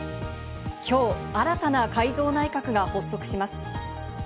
きょう新たな改造内閣が発足します。